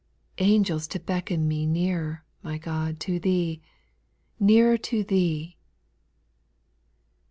Angels to beckon me Nearer, my God, to Thee, Nearer to Th6e 1 4.